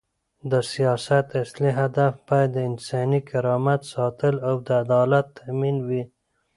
د سیاست اصلي هدف باید د انساني کرامت ساتل او د عدالت تامین وي.